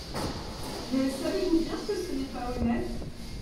Mais savez-vous bien que ce n’est pas honnête !…